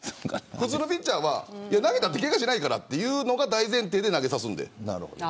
普通のピッチャーは投げてもけがしないからというのが大前提で投げさすんです。